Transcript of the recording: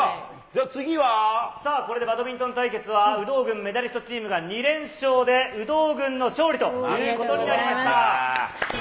さあ、これでバドミントン対決は、有働軍メダリストチームが２連勝で、有働軍の勝利ということになりました。